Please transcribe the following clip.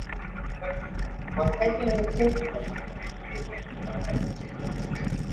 Baadhi ya Wakenya na raia wa kigeni waondoka nchi kabla ya uchaguzi